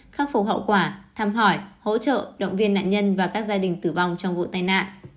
khắc phục hậu quả thăm hỏi hỗ trợ động viên nạn nhân và các gia đình tử vong trong vụ tai nạn